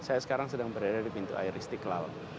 saya sekarang sedang berada di pintu air istiqlal